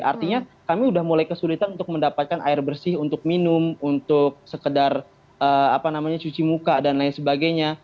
artinya kami sudah mulai kesulitan untuk mendapatkan air bersih untuk minum untuk sekedar cuci muka dan lain sebagainya